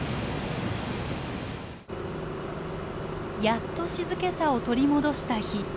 やっと静けさを取り戻した日。